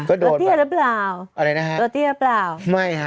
อ่าละเตี้ยหรือเปล่าอะไรนะครับละเตี้ยหรือเปล่าไม่ฮะ